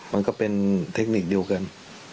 มันก็เป็นเทคนิคเดียวกัน